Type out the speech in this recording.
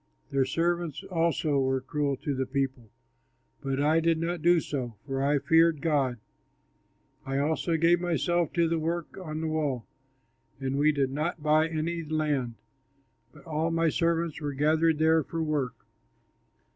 Their servants also were cruel to the people. But I did not do so, for I feared God. I also gave myself to the work on the wall, and we did not buy any land, but all my servants were gathered there for work.